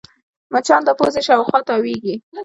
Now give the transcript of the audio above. مچان د پوزې شاوخوا تاوېږي